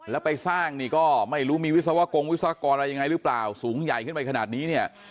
แล้วไปสร้างนี่ก็ไม่รู้มีวิศวกรงวิศวกรอะไรยังไงหรือเปล่าสูงใหญ่ขึ้นไปขนาดนี้เนี่ย